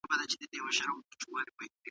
د سوسیالیزم او سرمایه دارۍ ترمنځ څه توپیر دی؟